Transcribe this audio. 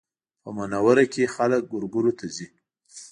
په منوره کې خلک ګورګورو ته ځي